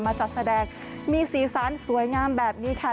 จัดแสดงมีสีสันสวยงามแบบนี้ค่ะ